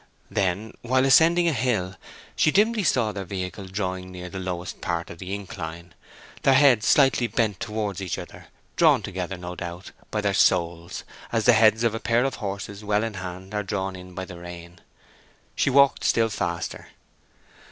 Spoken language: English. Then, while ascending a hill, she dimly saw their vehicle drawing near the lowest part of the incline, their heads slightly bent towards each other; drawn together, no doubt, by their souls, as the heads of a pair of horses well in hand are drawn in by the rein. She walked still faster.